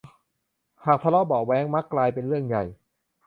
หากทะเลาะเบาะแว้งมักกลายเป็นเรื่องใหญ่